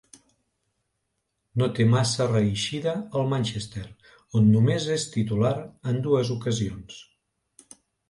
No té massa reeixida al Manchester, on només és titular en dues ocasions.